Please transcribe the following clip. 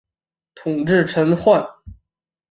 统制陈宧。